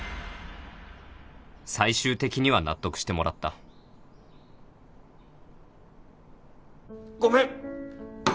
最終的には納得してもらったごめん！